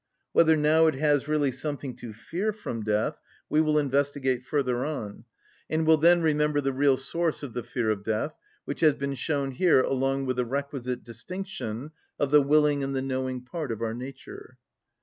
Whether now it has really something to fear from death we will investigate further on, and will then remember the real source of the fear of death, which has been shown here along with the requisite distinction of the willing and the knowing part of our nature.